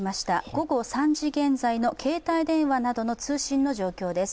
午後３時現在の携帯電話などの通信の状況です。